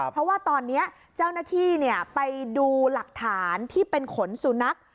เพราะว่าตอนนี้เจ้าหน้าที่ไปดูหลักฐานที่เป็นขนสุนัข